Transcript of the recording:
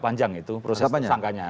panjang itu proses tersangkanya